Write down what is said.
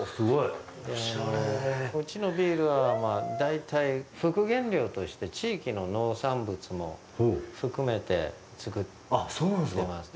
うちのビールは、大体、副原料として地域の農産物も含めて造っています。